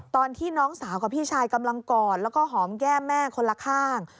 ตอนที่น้องสาวกับพี่ชายกำลังกอดแล้วก็หอมแก้มแม่คนละข้าง